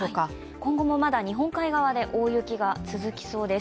今後もまだ日本海側で大雪が続きそうです。